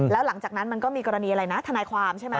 แล้วหลังจากนั้นมันก็มีกรณีอะไรนะทนายความใช่ไหม